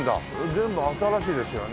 全部新しいですよね。